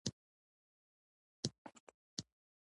تاسې خپل لاشعور ته هغه څه رسولای شئ چې غواړئ